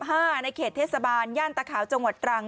ในเขตเทศบาลย่านตะขาวจังหวัดตรัง